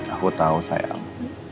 aku tahu sayang